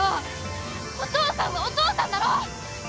お父さんはお父さんだろ！